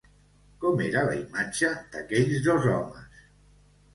Com era la imatge d'aquells dos homes?